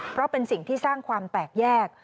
เพราะเป็นสิ่งที่สร้างความแตกแยก